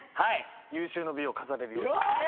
有終の美を飾れるように。